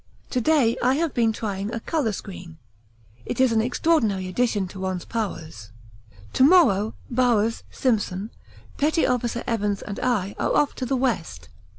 To day I have been trying a colour screen it is an extraordinary addition to one's powers. To morrow Bowers, Simpson, Petty Officer Evans, and I are off to the west.